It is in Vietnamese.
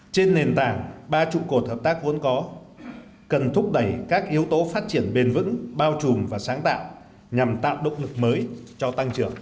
trên nền tảng ba trụ cột hợp tác vốn có cần thúc đẩy các yếu tố phát triển bền vững bao trùm và sáng tạo nhằm tạo động lực mới cho tăng trưởng